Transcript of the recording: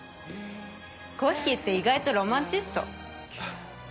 コッヒーって意外とロマンチスト？